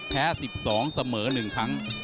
แพ้๑๒เสมอ๑ครั้ง